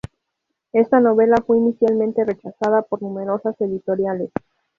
Esta novela fue inicialmente rechazada por numerosas editoriales.